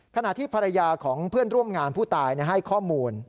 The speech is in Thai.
ขณะที่ภรรยาของเพื่อนร่วมงานผู้ตายให้ข้อมูล